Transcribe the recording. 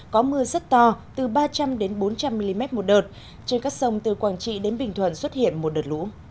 có mưa rất to từ ba trăm linh bốn trăm linh mm một đợt trên các sông từ quảng trị đến bình thuận xuất hiện một đợt lũ